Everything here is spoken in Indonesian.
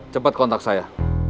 cepat kontak saya